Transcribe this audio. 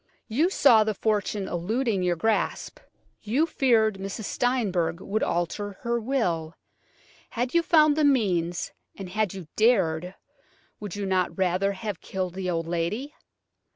You saw the fortune eluding your grasp; you feared Mrs. Steinberg would alter her will. Had you found the means, and had you dared, would you not rather have killed the old lady?